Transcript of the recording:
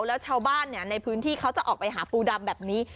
แล้วชาวบ้านในพื้นที่เขาจะออกไปหาปูดำแบบนี้